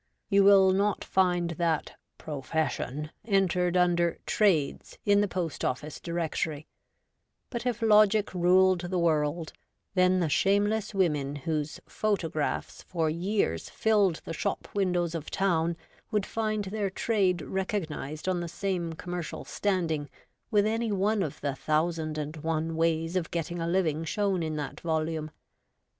You will not find that 'pro fession' entered under 'Trades' in the Post 0 ffice Directory ; but if logic ruled the world, then the shameless women whose photographs for years filled the shop windows of town would find their trade recognised on the same commercial standing with any one of the thousand and one ways of getting a living shown in that volume.